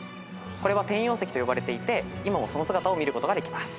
これは転用石と呼ばれていて今もその姿を見ることができます。